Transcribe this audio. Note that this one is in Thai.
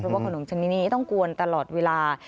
เพราะว่าขนมชนิดนี้ต้องกวนตลอดเวลา